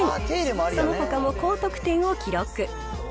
そのほかも高得点を記録。